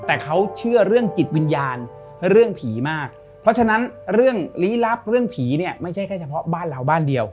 แต่เขาเชื่อเรื่องจิตวิญญาณเรื่องผีมากเพราะฉะนั้นเรื่องลี้ลับเรื่องผีเนี่ยไม่ใช่แค่เฉพาะบ้านเราบ้านเดียว